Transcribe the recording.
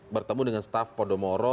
bertemu dengan staf podomoro